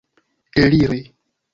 eliri